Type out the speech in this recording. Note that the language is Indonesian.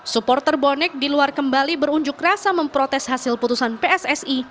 supporter bonek di luar kembali berunjuk rasa memprotes hasil putusan pssi